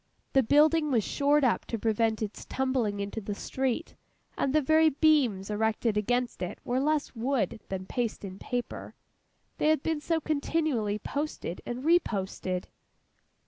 The building was shored up to prevent its tumbling into the street; and the very beams erected against it were less wood than paste and paper, they had been so continually posted and reposted.